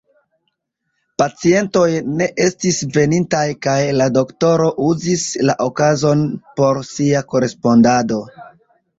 Pacientoj ne estis venintaj kaj la doktoro uzis la okazon por sia korespondado.